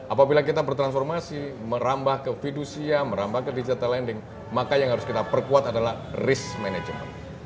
apabila kita bertransformasi merambah ke fidusia merambah ke digital lending maka yang harus kita perkuat adalah risk management